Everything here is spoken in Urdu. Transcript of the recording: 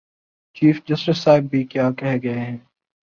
چیف جسٹس صاحب بھی کیا کہہ گئے ہیں؟